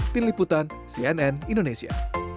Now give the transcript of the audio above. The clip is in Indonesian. tim liputan cnn indonesia